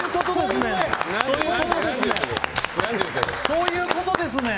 そういうことですねん！